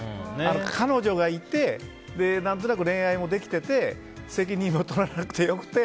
彼女がいて恋愛もできてて責任も取らなくてよくて。